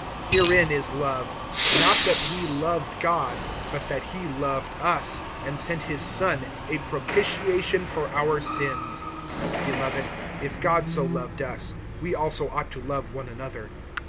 (10)Herein is love, not that we loved God, but that he loved us, and sent his Son, a propitiation for our sins. (11)Beloved, if God so loved us, we also ought to love one another.